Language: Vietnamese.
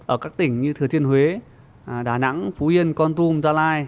ở các tỉnh như thừa thiên huế đà nẵng phú yên con tum gia lai